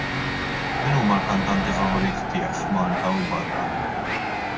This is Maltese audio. Min huma l-kantanti favoriti tiegħek f'Malta u barra?